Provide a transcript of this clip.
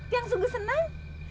yang sungguh senang